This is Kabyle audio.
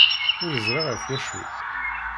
Ur ẓriɣ ɣef acu.